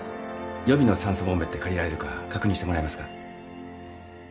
予備の酸素ボンベって借りられるか確認してもらえますか？